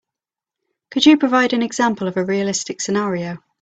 Could you provide an example of a realistic scenario?